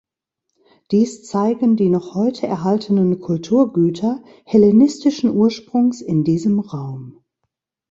Dies zeigen die noch heute erhaltenen Kulturgüter hellenistischen Ursprungs in diesem Raum.